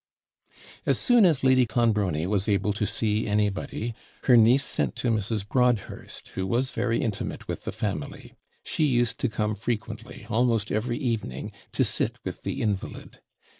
As soon as Lady Clonbrony was able to see anybody, her niece sent to Mrs. Broadhurst, who was very intimate with the family; she used to come frequently, almost every evening, to sit with the invalid.